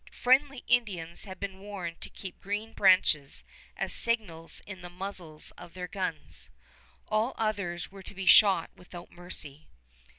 Friendly Indians had been warned to keep green branches as signals in the muzzles of their guns. All others were to be shot without mercy.